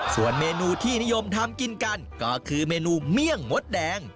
ส่วนเมนูที่นิยมทำกินกันก็คือเมนูเมี่ยงมดแดง